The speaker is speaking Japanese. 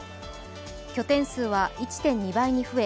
拠点数は１．２倍に増え。